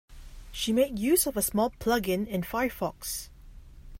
She made use of a small plug-in in Firefox